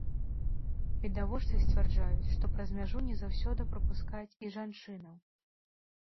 Відавочцы сцвярджаюць, што праз мяжу не заўсёды прапускаюць і жанчынаў.